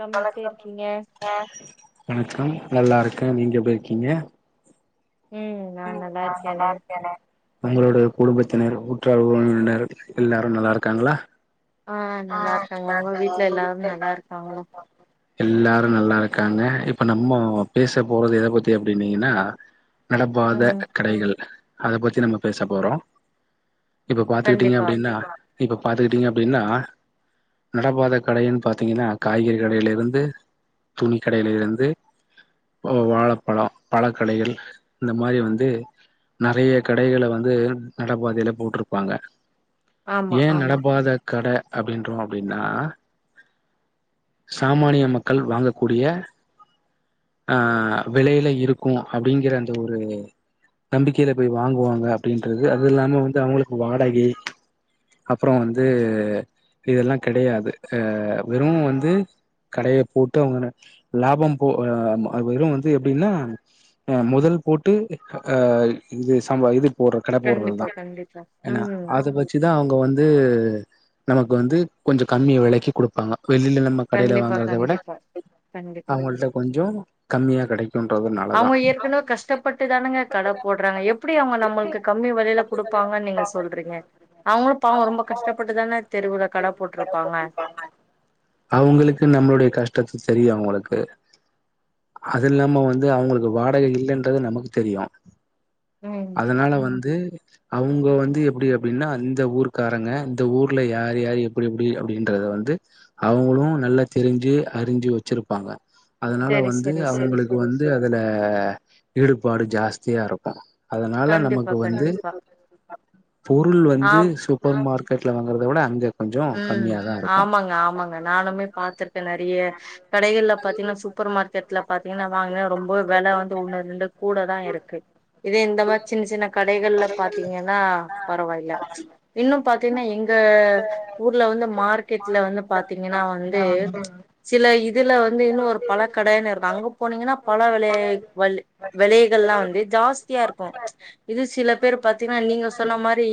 Come எப்டி இருக்கீங்க வணக்கம் ஆ நல்லாருக்கே நீங்க எப்டியிருக்கீங்க ம் நா உ நல்லா இருக்கேனே உங்களோட குடும்பத்தினர் உற்றாற் உறவினர் எல்லாரு நல்லாருக்காங்ளா ஆ நல்லாருகாங்க ஒங்க வீட்ல எல்லாரு நல்லாருக்காங்ளா எல்லாரு நல்லா இருக்காங்க இப்ப நம்மோ பேச போறது எத பத்தி அப்டினீங்கனா நடபாத ம் கடைகள் அத பத்தி நம்ம பேச போறோ இப்ப பாத்துக்கிட்டீங்க கண்டிப்பா அப்டினா இப்ப பாத்துக்கிட்டீங்க அப்டின்னா நடபாத கடைனு பாத்தீங்கனா காய்கறி கடைலருந்து துணி கடைலருந்து வாழப்பழோ பழக்கடைகள் இந்த மாரி வந்து நெறைய கடைகள வந்து நடபாதைல போட்ருபாங்க ஆமா ஏ ஆமா நடபாத கட அப்டின்றோ அப்டினா சாமானிய மக்கள் வாங்கக்கூடிய ஆ வெலைல இருக்கு அப்டிங்கிற அந்த ஒரு நம்பிக்கைல போய் வாங்குவாங்க அப்டின்றது அது இல்லாம வந்து அவங்களுக்கு வாடகை அப்றோ வந்து இதெல்லா கெடயாது அ வெறு வந்து கடைய போட்டு அவங்க லாபம் போ வெறும் வந்து எப்டினா அ மொதல் போட்டு அ இது சாம்ப இது போட்ற கட கண்டிப்பா போட்றதுதா கண்டிப்பா ஏனா ம் அத வெச்சிதா அவுங்க வந்து நமக்கு வந்து கொஞ்ஜோ கம்மி வெலைக்கு குடுப்பாங்க வெளில நம்ம கடைல கண்டிப்பா வாங்றத விட கண்டிப்பா கண்டிப்பா அவங்கள்ட்ட கொஞ்ஜோ கம்மியா கெடைக்கும்ன்றத் அவுங்க ஏற்கனவே கஷ்டபட்டுதானங்க கட போட்றாங்க எப்டி அவங்க நம்மள்கு கம்மி வெலைல குடுப்பாங்கனு நீங்க சொல்றீங்க அவங்களு பாவோ ரொம்ப கஷ்டபட்டுதான தான தெருவுல கட போட்ருபாங்க அவங்களுக்கு நம்மளுடைய கஷ்டத்து தெரியு அவங்களுக்கு அது இல்லாம வந்து அவங்களுக்கு வாடக இல்லன்றது நமக்கு தெரியு ம் அதுனால வந்து அவுங்க வந்து எப்டி அப்டினா அந்த ஊருகாரங்க இந்த ஊர்ல யார் யாரு எப்டி எப்டி அப்டின்றத வந்து அவுங்களு நல்லா தெரிஞ்சு அறிஞ்சு வெச்சுருப்பாங்க அதனால செரி வந்து செரி செரி அவுங்களுக்கு வந்து அதுல ஈடுபாடு ஜாஸ்தியாருக்கு அதனால கண்டிப்பா நமக்கு வந்து கண்டிப்பா பொருள் ஆ வந்து சூப்பர் மார் கெட்ல வாங்கறத விட அங்க ம் இருக்கு ஆமாங்க ஆமாங்க நானுமே பாத்துருக்க நெறிய கடைகள்ல பாத்தீங்கன்னா சூப்பர் மார்கெட்ல பாத்தீங்கன்னா வாங்க ரொம்ப வெல வந்து ஒன்னு ரெண்டு கூடதா இருக்கு இதே இந்த மாரி சின்ன சின்ன கடைகள்ல பாத்தீங்கன்னா பரவாயில்ல இன்னும் பாத்தீங்கன்னா எங்க ஊர்ல வந்து மார்க்கெட்ல வந்து பாத்தீங்கன்னா வந்து சில இதுல வந்து இன்னு ஒரு பல கடனு இருக்கு அங்க போனீங்கன்னா பல வெல வெலைகள்லா வந்து ஜாஸ் த்தியா இருக்கு இது சில பேரு பாத்தீங்கன்னா நீங்க சொன்ன மாரி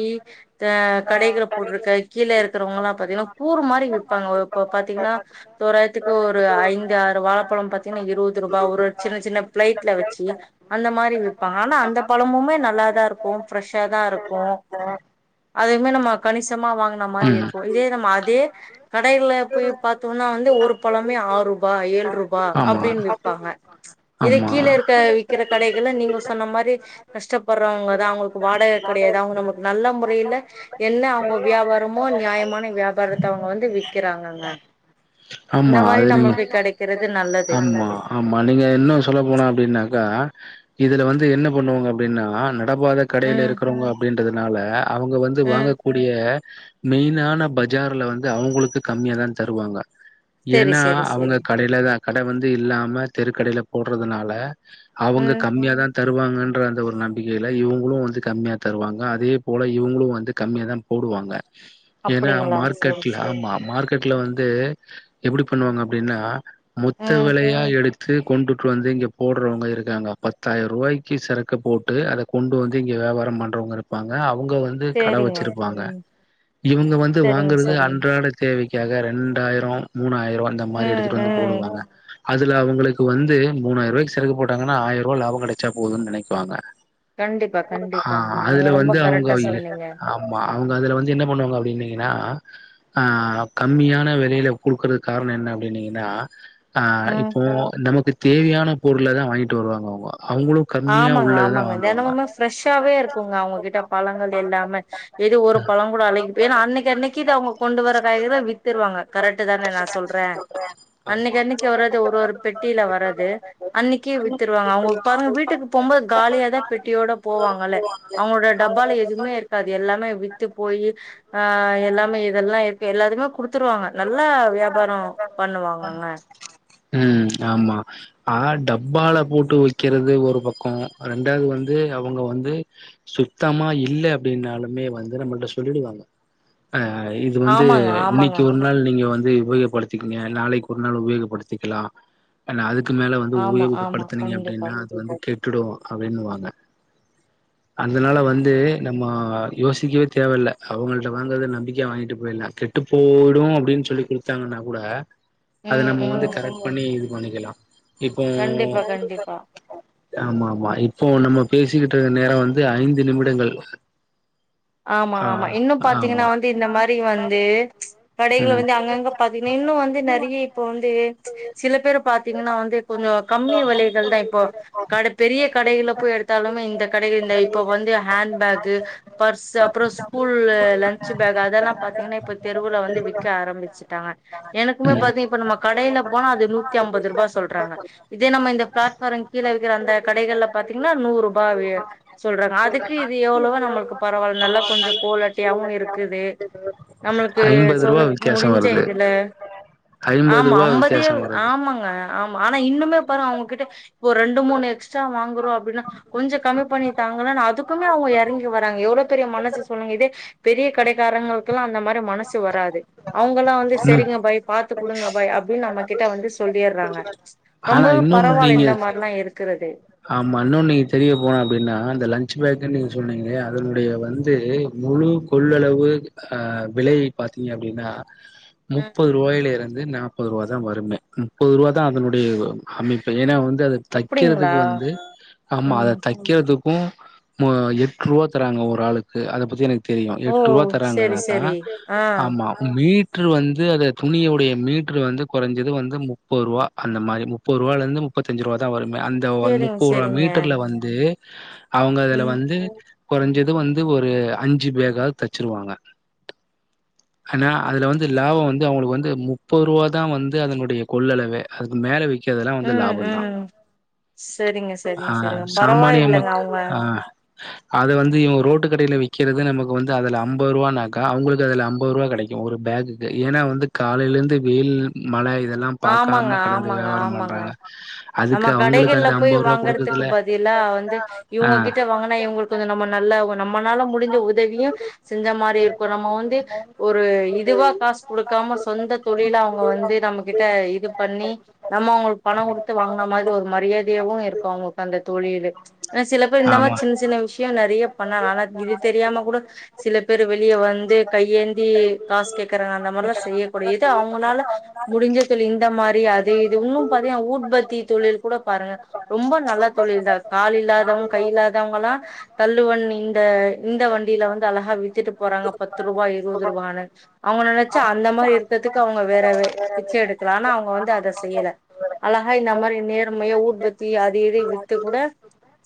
அ கடைகள் போட்ருக்க கீழ இருக் இருக்குறவங்களா பார்த்தீங்கன்னா கூறு மாரி விப்பாங்கோ இப்போ பாத்தீங்கன்னா தோராயிரத்துக்கு ஒரு ஐந்து ஆறு வாழப்பழம் பாத்தீங்கன்னா இருபது ரூபா ஒரு சின்ன சின்ன பிளைட்ல வெச்சு அந்த மாரி விப்பாங்க ஆனா அந்த பழமுமே நல்லாதா இருக்கும் பிரெஷ்ஷாதா இருக்கு அதுமே நம்ம கணிசமா வாங்குன மாரி ம் இருக் இதே நம்ம அதே கடைகள்ள போய் பாத்தோன்னா வந்து ஒரு பழமே ஆரூபா ஏழுஅரூபா ஆமா அப்டின் விப்பாங்க இதே ஆமா கீழே இருக்க விக்கிற கடைகள்ள நீங்க சொன்ன மார் ரு கஷ்டப்பறவங்க அவங்களுக்கு வாடக கெடையாது அவங்க நமக்கு நல்ல முறையில என்ன அவங்க வியாபாரமோ நியாயம் இந்த ஆமா மாரி அது நீங்க நம்மளுக்கு கெடைக்கிறது நல்லது ஆமா ஆமா நீங்க இன்னு சொல்ல போனா அப்டின்னாக்கா இதுல வந்து என்னம் பண்ணுவாங்க அப்டின்னா ந நடபாத கடையில ம் இருக்குறவங்க அப்டின்றது நால அவங்க வந்து ம் வாங்கக்கூடிய மெயினான பஜார்ல வந்து அவங்களுக்கு கம்மியாதாந் தருவாங்க செரி ஏன்னா செரி அவங்க செரி கடையிலதா கட வந்து இல்லாம தெருக்கடையில போடுறதுனால அவங்க ம் கம்மியாதா தருவாங்க அந்த ஒரு நம்பிக்கையில இவங்களு வந்து கம்மியா தருவாங்க அதே போல இவங்களு வந்து கம்மியாதான் போடுவாங்க ஏன்னா அப்டிங்களா செரி மார்க்கெட்ல செரி ஆமா மார்க்கெட் ட்ல வந்து எப்புடி பண்ணுவாங்க அப்புடின்னா முத்து ம் வெலையா எடுத் து கொண்டுட்டு வந்து இங்க போடுறவங்க இருக்காங்க பத்தாயிரூவாய்க்கு சறக் கு போட்டு அத கொண்டு வந்து இங்க வியாரம் பண்றவங்க இருப்பாங்க அவ் அவங்க வந்து கட செரிங்க வெச்சுருப்பாங்க ம் இவங்க வந்து செரிங்க வாங்குறது செரிங்க அன்றாட தேவைக்காக ரெண் எட்டாராயிரம் மூணாயி ஆயிரம் அந்த மாரி ம் எடுத்துட்டு வந்து ம் போடுவாங்க அதுல அவங்களுக்கு வந்து மூணாயிர ரூாய்கு சிறக்கு போட்டாங்கா ஆயிரம் ரூாபா கிடைச்சா போதுன்னு நினைப் வாங்க கண்டிப்பா அ கண்டிப்பாங்க நீங்க அதுல ரொம்ப வந்து அவங்க கரெக்டா சொன்னீங்க ஆமா அவங்க அதுல வந்து என்ன பண்ணுவாங்க அப்படின்னீங்கன்னா ஆ கம்மியான விலையில கொடுக்குறது காரணம் என்ன அப்படின்னீங்கன்னா ஆ ம் இப்போ நமக்கு தேவையான பொருளை தா வாங்கிட்டு வருவாங்க அவங்க அவங்களு கம்மியா ஆமாங்க உள்ளதுதா ஆமாங்க வாங்குவாங்க தினமுமே ஃப்ரெஷ்ஷாவே இருக்குங்க அவங்ககிட்ட பழங்கள் எல்லாமே ஏதோ ஒரு பழம் கூட அழைகி போ ஏன்னா அன்னைக்கு அன்னைக்கு இத அவங்க கொண்டு வரற காய்கறிய வித்துருவாங்க கரெக்ட் தானே நா சொல்றே ஆமா அன்னைக்கு அன்னைக்கு வர்றது ஒரு ஒரு பெட்டியில வர்றது அன்னைக்கு வித்துருவாங்க அவங்க பாருங்க வீட் வீட்டுக்கு போம்போது காலியாதா பெட்டியோட போவாங்களே அவங்களோட டப்பால எதுவுமே இருக்காது எல்லாமே வித்து போய் ஆ எல்லாமே இதெல்லா இருக்கு எல்லாதுமே குடுத்துருவாங்க நல்லா வியாபாரம் பண்ணுவாங்கங்க உம் ஆமா ஆனா டப்பால போட்டு வைக்கிறது ஒரு பக்கம் ரெண்டாவது வந்து அவங்க வந்து சுத்தமா இல்ல அப்படின்னாலுமே வந்து நம்மளிட்ட சொல்லிடுவாங்க ஆ இது வந்து ஆமாங்க ஆமாங்க இன்னைக்கு ஒரு நாள் நீங்க வந் உபயோகப்படுத்தத்திக்கங்க நாளைக்கு ஒரு நாள் உபயோகப்படுத்திக்கலா நா அதுக் க்கு மேல வந்து ஆமா ஆமா உபயோகப்படுத்தனீங்க கண்டிப்பா. அப்படின்னா அது வந்து கெட்டும் அப்படின்னுவாங்க அதனால வந்து நம்ம யோசிக்கவே தேவல்ல அவங்கள்ட்ட வாங்கறத நம்பிக்கைய வாங்கிட்டு போயிடலா கெட்டு போயிடு அப்படின்னு சொல்லி கொடுத்தாங்கன்னா கூட அது ம், நம்ம வந்து ம். கரெக்ட் பண்ணி இது வாங்கிக்கலா இப்போ கண்டிப்பா, கண்டிப்பா. ஆமா ஆமா இப்போ நம்ம பேசிக்கிட்டு இருக்க நேரோ வந்து ஐந்து நிமிடங்கள் ஆமா ஆ ஆமா இன்னும் பாத்தீங்கன்னா ஆமா வந்து இந்த மாரி வந்து கடைகளை ம் வந்து அங்கங்க பாத்தீங்கன்னா இன்னும் வந்து நெறைய இப்போ வந்து சில பேரு பாத்தீங்கன்னா வந்து கொஞ்ச கம்மி விலைகள் தான் இப்போ கடை பெரிய கடைகள போய் எடுத்தாலுமே இந்த கடைகள் இந்த இப்ப வந்து ஹேண்ட்பேக்கு பர்ஸ்சு அப்புறம் ஸ்கூல் லன்ச் பேக் அதெல்லா பாத்தீங்கன்னா இப்ப தெருவுல வந்து விக்க ஆரம்பிச்சுட்டாங்க எனக்குமே பாத்தீங்க இப்ப நம்ம கடையில போனா அது நூத்தி ஐம்பது ரூபாய் சொல்றாங்க இதே நம்ம இந்த பிளாட்ப்பாரம் கீழே வி அந்த கடைகள்ல பாத்தீங்கன்னா ம் நூறு ரூபா வி சொல்றாங்க அதுக்கு இது எவ்வளவோ நம்மளுக்கு பரவாயில்ல நல்லா கொஞ்ச குவாலட்டியு இருக்குது நம்மளுக்கு ஐம்பது ரூபா சொன்ன வித்தியாசம் முடிஞ்ச வருது இதுல ஐம்பது ஆமா ரூபா ஐம்பதிய வித்தியாசம் வருது ஆமாங்க ஆமா ஆனா இன் இன்னும்மே பாருங்க அவங்ககிட்ட ஒரு ரெண்டு மூணு எக்ஸ்ட்ரா வாங்குரோ அப்படினா கொஞ்ச கம்மி பண்ணி தாங்க அதுக்குமே அவங்க இறங்கி வ எவ்ளோ பெரிய மனசு சொல்லுங்க இதே பெரிய கடைக்காரங்களுக்குல்லா அந்த மாரி மனசு வராது அவங்க எல்லா வந்து ம் சரிங்க பாய் பாத்து கொடுங்க பாய் அப்படின்னு நம்ம கிட்ட வந்து சொல்லிடுறாங்க ஆனா ரொம்பவே இன்னொன்னு பரவாயில்ல இந்த மாரிலா நீங்க இருக்குறது ஆமா இன்னொ நீங்க தெரிய போன அப்படின்னா அந்த லன்ச் பேக்குன்னு நீங்கள் சொன்னீங்களே அதனுடைய வந்து முழு கொள்ளளவு அ விலை பார்த்தீங்க அப்படின்னா ம் முப்பது ரூவாயில இருந் து நாற்பது ரூவா தா வருமே முப்பது ரூவா தா அதனுடைய அமைப்பு ஏன்னா வந் து அது அப்டிங்களா தைக்கிறதுக்கு வந் அது ஆமா அத ம் தைக்கிறது ப்பு எட்டு ரூபா தராங்க ஒரு ஆளுக்கு அத பத்தி எனக்கு தெரியு ஓ எட்டு ரூபா செரி தராங்கன்னாக்கா செரி ஆ ஆமா மீட் மீட்ரு வந்து அத துணியுடைய மீட்ரு வந்து கொறஞ்சது வந்து முப்பது ரூவா அந்த மாரி முப்பது ரூவாலருந்து முப்பத்தஞ்சு ரூவாதா வரு மே அந்த வந்து செரிங்க ஒர செரிங்க மீட்டர்ல வந்து ஹே அவுங்க அதுல ம் வந்து குறைஞ்சது வந்து ஒரு அஞ்சு பேக்காவது தச்சிருவாங்க ஆனா அதுல வந்து லாபோ வந்து அவங்களுக்கு வந்து முப்பது ரூவா தா வந்து அதனுடைய கொள்ளளவே அதுக்கு மேல வெக் கெல்லா வந்து லாபம் தா செரிங்க செரிங்க செரிங்க பரவால்லங்க அவுங்க அது வந்து இவ ரோட்டு கடைல விக்கிறது நமக்கு வந்து அதுல ஐம்பது ரூவானாக்கா அவங்களுக்கு அதுல ஐம்பது ரூபா கெடைக்கு ஒரு பேகுக்கு ஏன்னா வந்து காலைலருந்து வெயில் மழ இதெல்லா ஆமாங்க பாக்காம கடந்து ஆமாங்க வியாபாரம் ஆமாங்க பண்றாங்க நம்ம அதுக்கு அவங்களுக்கு கடைகள்ல அந்த போய் அம்பது ரூவா எடத்துக்கு குடுக்குதுல பதிலா வந்து இவுங்க ஆ கிட்ட வாங்கனா இவுங்களுக்கு வந்து நம்ம நல்ல நம்மளால முடிஞ்ச உதவியு செஞ்ச மாரி இருக்கு நம்ம வந்து ஒரு இதுவா காசு கொடுக்காம சொந்த தொழிலா அவுங்க வந்து நம்ம கிட்ட இது பண்ணி நம்ம அவுங்களுக்கு பணம் கொடுத்து வாங்குன மாதிரி ஒரு மரியாதையே அவுங்களுக்கு அந்த தொழிலு ஏனா சில பேர் இந்த மாரி ஆமா சின்ன சின்ன விஷயோ நெறைய பண்ணலா ஆனா இது தெரியாம கூட சில பேரு வெளிய வந்து கையேந்தி காசு கேக்குறாங்க அந்த மாரில்லா செய்யக்கூட எது அவுங்களால முடிஞ்ச தொழில் இந்த மாரி அது இது இன்னு பாத்தீங்கா ஊட்ப தொழில் கூட பாருங்க ரொம்ப நல்ல தொழில் தா கால் இல்லாதவங்க கை இல்லாதவங்கல்லா தள்ளுவன் இந்த இந்த வண்டியில வந்து அழகா வித்துட்டு போறாங்க பத்து ரூபா இருபது ரூபானு அவுங்க நெனைச்சா அந்த மாரி இருக்கதுக்கு அவங்க வேற பிச்ச எடுக்கலா ஆனா அவங்க வந்து அத செய்யல அழகா நம்மளில் நேர்ம உற்பத்தி அது இது வித்து கூட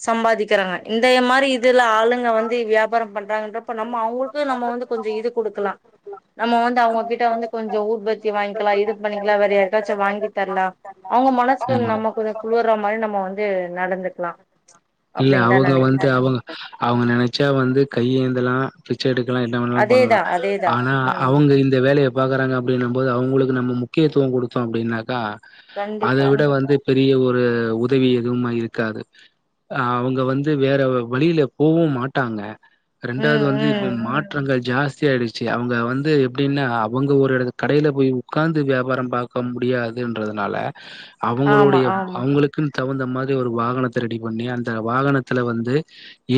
சம்பாதிக்கிறாங்க இந்த மாரி இதுல ஆளுங்க வந்து வியாபாரம் பண்றாங்கன்றப்ப நம்ம அவங்களுக்கு நம்ம வந்து கொஞ்சம் இது கொடுக்கலாம் நம்ம வந்து அவங்ககிட்ட வந்து கொஞ்சம் உஊத்பத்தி வாங்கிக்கலா இது பண்ணிக்கலா வேற ஏதாச்சு வாங்கி தரலா அவங்க மன ம் நடந்துக்கலா இல்ல அப்டின்னு தா அவுங்க வந்து நெனைக்கிறே அவுங்க அவுங்க நெனைச்சா வந்து கையேந்தலா செடு இவுங்ளா என்னவேனாலு பண்லா அதேதா அதேதா ஆனா ம் அவுங்க இந்த வேலைய பாக்குறாங்க அப்டின்னு போது அவுங்களுக்கு நம்ம முக்கியத்துவோ குடுத்தோ அப்டின்னாக்கா அத கண்டிப்பா விட வந்து பெரிய ஒரு உதவி எதுவுமா இருக்காது அ அவுங்க வந்து வேற வழியில போகவு மாட்டாங்க ரெண்டாவது ம் வந்து ம் இப்ப மாற்றங்கள் ஜாஸ்தியாயிடுச்சு அவுங்க வந்து எப்டின்னா அவுங்க ஒரு எடத்து கடையில போய் உக்காந்து வியாபாரோ பாக்க முடியாதுன்றதுனால அவுங்களோ ஆமா [inaudible] ஆமா அவுங்களுக்குன் தகுந்த மாரி ஒரு வாகனத்த ரெடி பண்ணி அந்த வாகனத்துல வந்து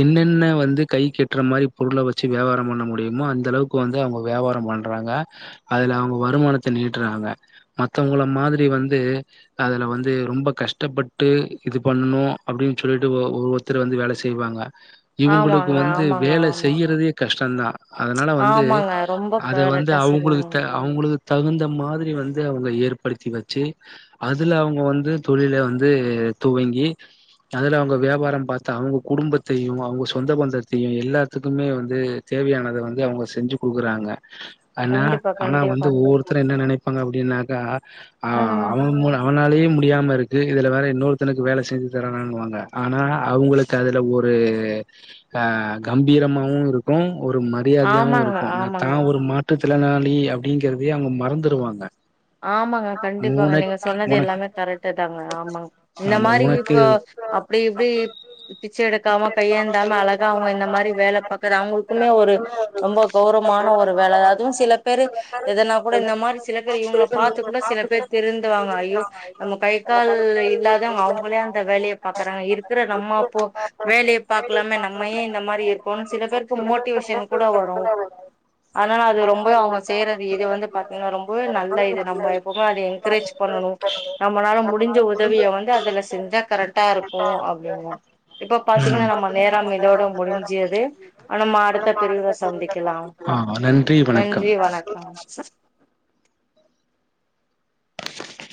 என்னென்ன வந்து கை கெட்டுற மாரி பொருள வச்சு வியாபாரம் பண்ண முடியுமோ அந்த அளவுக்கு வந்து அவுங்க வியாபாரோ பண்றாங்க அதுல அவுங்க வருமானத்த நீட்டுறாங்க மத்தவங்கள மாதிரி வந்து அதுல வந்து அது ரொம்ப கஷ்டப்பட்டு இது பண்ணணு அப்டின்னு சொல்லிட்டு ஒ ஒரு ஒருத்தர் வந்து வேல செய்வாங்க இவுங்களுக்கு ஆமாங்க வந்து ஆமாங்க வேல ஆமா செய்யுறதே கஷ் டந்தா அதனால வந்து ஆமாங்க ரொம்ப அத வந்து கரெக்டா அவுங்களுக்கு சொன்னீங்க த அவுங்களுக்கு தகுந்த மாதிரி வந்து அவங்க ஏற்படுத்தி வச்சு அதுல அவங்க வந் வந்து தொழில வந்து துவங்கி அதல அவங்க வியாபாரோ பாத்து அவுங்க குடும்பத்தையு அவங்க சொந்த பந்தத்தையு எல்லாத்துக்குமே வந்து தேவையானத வந்து அவுங்க செஞ்சு குடுக்குறாங்க அஃனால கண்டிப்பா ஆனா வந்து கண்டிப்பா ஒவ்வொருத்தரு என்ன நெனைப் பாங்க அப்டின்னாக்கா ஆ ம் அவன்மு அவனாலாயு முடியாம இருக்கு இதுல வேற இன்னொருத்தனுக்கு வேலை செஞ்சு தரனானுவாங்க ஆனா அவங்களுக்கு அதுல ஒரு அ கம்பீரமாவு இருக்கு ஒரு மரியாதையாவு ஆமாங்க இருக்கு தா ஆமாங்க ஒரு மாற்றுத் திறனாளி அப்டிங்கறதே அவங்க மறந்துடுவாங்க ஆமாங்க கண்டிப்பாங்க நீங்க சொன்னது உனக் எல்லாமே கரெக்டுதாங்க ஆமாங்க இந்த மாரி இப்ப அப்டி இப்டி பிச்சை எடுக்காம கையேந்தாம அழகா அவங்க இந்த மாரி வேல பாக்கற அவங்களுக்குள்ள ஒரு ரொம்ப கௌரவமான ஒரு வேல அதுவு சில பேரு எதனா கூட இந்த மாரி சில பேர் இவங்கள பாத்து கூட சில பேர் திருந்துவாங்க ஐயோ நம்ம நம்ம கை கால் இல்லாதவ்ங்க அவங்களே அந்த வேலைய பாக்குறாங்க இருக்கிற நம்ம அப்போ வேலைய பாக்கலாமே நம்மையே இந்த மாரி இருக்கோனு சில பேருக்கு மோட்டிவேஷன் கூட வரு ஆனால அது ரொம்ப அவங்க செய்றது இது வந்து பாத்தீங்கன்னா ரொம்ப நல்ல இது நம்ம எப்போமே அத என்கரேஜ் பண்ணணு நம்ம நம்மால முடிஞ்ச உதவிய வந்து அதுல செஞ்சா கரெக்டா இருக்கு அப்டின்னு இப்ப பாத்தீங்கன்னா நம்ம நேரம் இதோட முடிஞ்சியது ஆ நம்ம அடுத்த பிரிவுல சந்திக்கலா நன்றி வணக்கம் நன்றி வணக்கம் அ